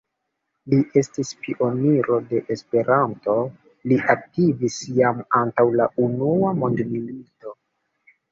Li estis pioniro de Esperanto; li aktivis jam antaŭ la unua mondmilito.